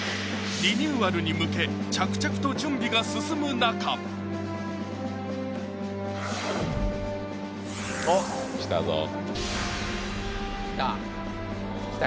リニューアルに向け着々と準備が進む中あっ来たぞ来た